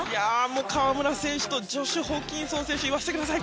河村選手とジョシュ・ホーキンソン選手言わせてください。